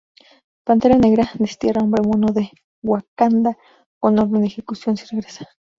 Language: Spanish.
Pantera Negra destierra a Hombre Mono de Wakanda con orden de ejecución si regresa.